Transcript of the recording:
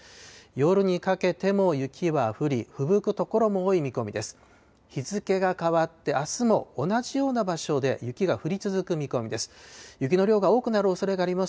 夜にかけても雪は降り、ふぶく所も多い見込みです。